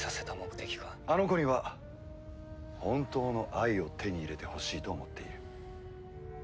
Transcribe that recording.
あの子には本当の愛を手に入れてほしいと思っている。